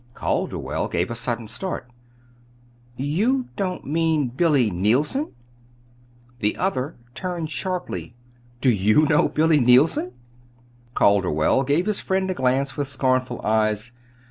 Calderwell gave a sudden start. "You don't mean Billy Neilson?" The other turned sharply. "Do you know Billy Neilson?" Calderwell gave his friend a glance from scornful eyes.